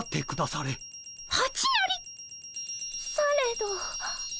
されど。